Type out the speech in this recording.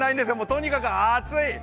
とにかく暑い。